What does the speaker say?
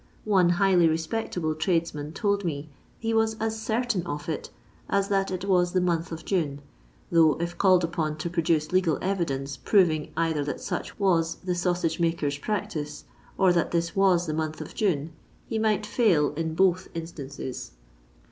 One highly respectable tradesman told me he was as certain of it as that it was the month of June, though, if called upon to produce legal evidence proving either that such was the sausage makers' practice, or thnt this wu the month of June, he might fiul in both instances.